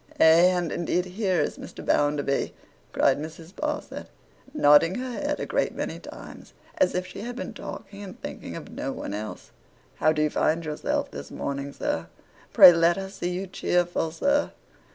Ay, and indeed here is Mr. Bounderby!' cried Mrs. Sparsit, nodding her head a great many times, as if she had been talking and thinking of no one else. 'How do you find yourself this morning, sir? Pray let us see you cheerful, sir.